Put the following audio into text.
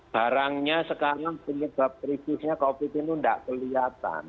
barangnya sekarang penyebab krisisnya covid sembilan belas ini tidak kelihatan